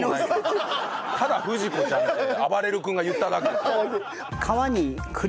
ただ「不二子ちゃん」ってあばれる君が言っただけ。